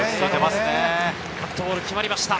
カットボール決まりました。